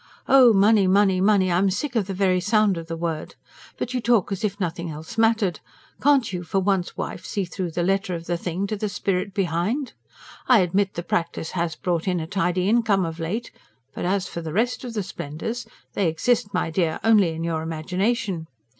"Oh, money, money, money! I'm sick of the very sound of the word. But you talk as if nothing else mattered. Can't you for once, wife, see through the letter of the thing to the spirit behind? I admit the practice HAS brought in a tidy income of late; but as for the rest of the splendours, they exist, my dear, only in your imagination.